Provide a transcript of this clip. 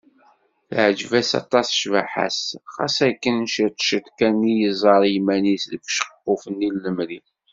Teɛǧeb-as aṭas cbaḥa-s, xas akken ciṭ ciṭ kan i tẓerr iman-is deg uceqquf-nni n lemri.